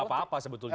gak apa apa sebetulnya